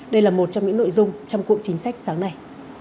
đây là một trong những nội dung trong cụm chính sách sáng nay